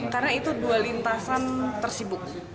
karena itu dua lintasan tersibuk